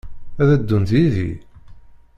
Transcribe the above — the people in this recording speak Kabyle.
Ad d-ddunt yid-i?